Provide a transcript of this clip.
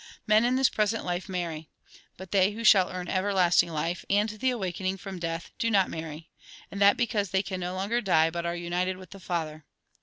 Men in this present life marry. But they who shall earn everlasting life, and the awakening from death, do not marry. And that because they can no longer die, but are united with the Father.